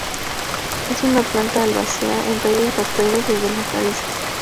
Es una planta herbácea con tallos rastreros desde las raíces.